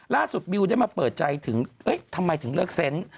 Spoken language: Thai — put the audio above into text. บิวได้มาเปิดใจถึงทำไมถึงเลิกเซนต์